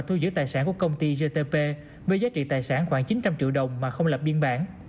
thu giữ tài sản của công ty gtp với giá trị tài sản khoảng chín trăm linh triệu đồng mà không lập biên bản